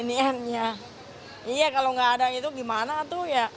iya kalau nggak ada itu gimana tuh ya